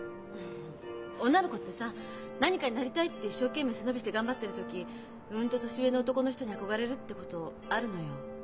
女の子ってさ「何かになりたい」って一生懸命背伸びして頑張ってる時うんと年上の男の人に憧れるってことあるのよ。